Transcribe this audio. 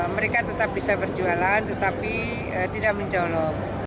mereka tetap bisa berjualan tetapi tidak mencolok